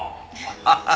ハハハハ！